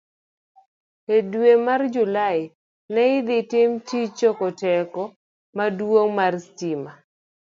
E dwe mar Julai, ne idhi tim tij choko teko maduong' mar stima.